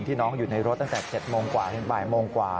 น้องอยู่ในรถตั้งแต่๗โมงกว่าถึงบ่ายโมงกว่า